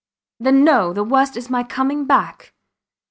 Then, no! The worst is my coming back.